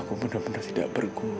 aku benar benar tidak bergu